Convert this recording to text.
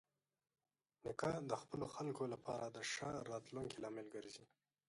نیکه د خپلو خلکو لپاره د ښه راتلونکي لامل ګرځي.